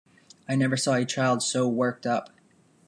I never saw a child so worked up.